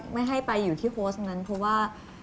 ไม่ให้ไปอยู่ที่โพสต์นั้นเพราะว่า